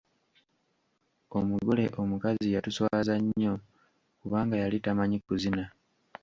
Omugole omukazi yatuswaza nnyo kubanga yali tamanyi kuzina!